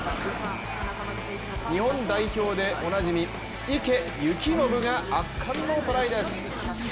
日本代表でおなじみ、池透暢が圧巻のトライです。